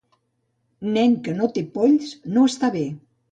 Nen que no té polls no està bé.